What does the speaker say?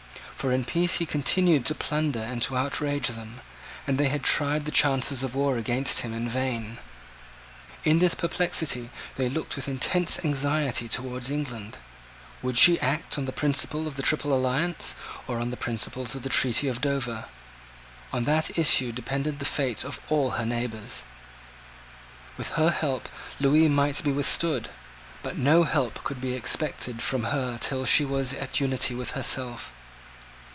For in peace he continued to plunder and to outrage them; and they had tried the chances of war against him in vain. In this perplexity they looked with intense anxiety towards England. Would she act on the principles of the Triple Alliance or on the principles of the treaty of Dover? On that issue depended the fate of all her neighbours. With her help Lewis might yet be withstood: but no help could be expected from her till she was at unity with herself.